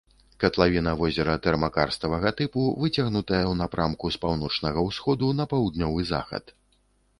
Катлавіна возера тэрмакарставага тыпу, выцягнутая ў напрамку з паўночнага ўсходу на паўднёвы захад.